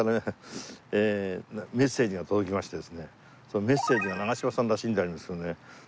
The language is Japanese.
そのメッセージが長嶋さんらしいんでありますけどね